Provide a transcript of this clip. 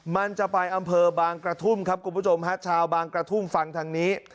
มันจะไปอำเภอบางกระทุ่มครับคุณผู้ชมฮะชาวบางกระทุ่มฟังทางนี้